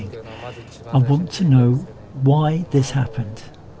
saya ingin tahu mengapa ini terjadi